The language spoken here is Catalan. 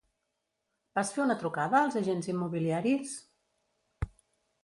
Vas fer una trucada als agents immobiliaris?